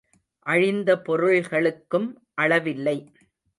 அழிந்த பொருள்களுக்கும் அளவில்லை.